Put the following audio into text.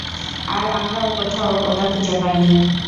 আর আমরাও কোথাও ওটা খুঁজে পাই নি।